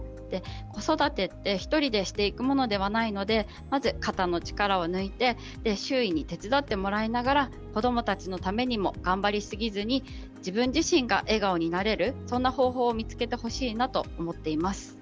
子育ては１人でしていくものではないので、まず肩の力を抜いて周囲に手伝ってもらいながら子どもたちのためにも頑張りすぎずに自分自身が笑顔になれる、そんな方法を見つけてほしいなと思っています。